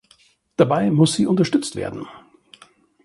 Dabei muss sie unterstützt werden.